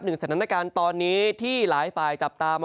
สถานการณ์ตอนนี้ที่หลายฝ่ายจับตามา